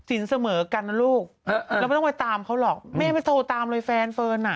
เสมอกันนะลูกเราไม่ต้องไปตามเขาหรอกแม่ไม่โทรตามเลยแฟนเฟิร์นอ่ะ